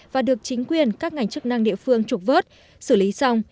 và được chính quyền các ngành chức năng địa phương trục vớt xử lý xong